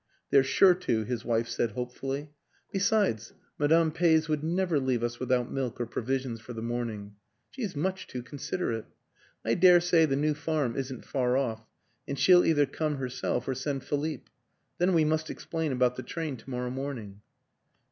" They're sure to," his wife said hopefully. " Besides, Madame Peys would never leave us without milk or provisions for the morning she's much too considerate. I daresay the new farm isn't far off, and she'll either come herself or send Philippe. Then we must explain about the train to morrow morning."